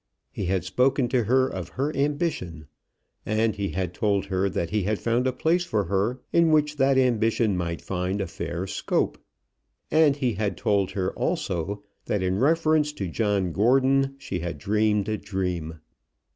He had spoken to her of her ambition; and he had told her that he had found a place for her, in which that ambition might find a fair scope. And he had told her also that in reference to John Gordon she had dreamed a dream.